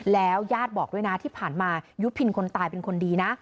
แล้วญาติบอกด้วยนะที่ผ่านมายุพินคนตายเป็นคนดีนะ